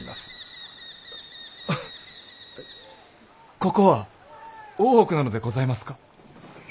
ここは大奥なのでございますか？